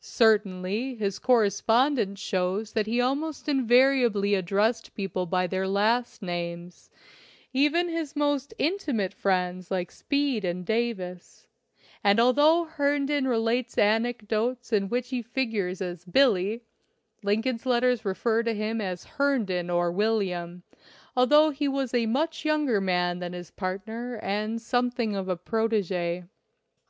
Cer tainly his correspondence shows that he almost invariably addressed people by their last names — even his most intimate friends like Speed and Davis; and although Herndon relates anecdotes in which he figures as "Billie," Lincoln's letters refer to him as Herndon or William, although he was a much younger man than his partner and something of a protege.